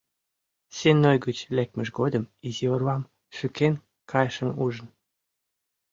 Сенной гыч лекмыж годым изи орвам шӱкен кайышым ужын.